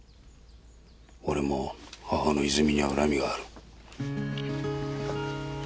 俺も母之泉には恨みがある。